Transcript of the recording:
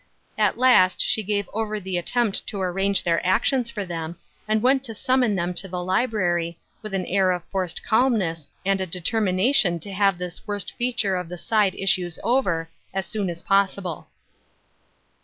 At last she gave over the attempt to arrange their actions for them, and went to summon them ito the library, with an air of forced calmness and a determination to have this worst feature of tb.e side issues over, as soon as possible.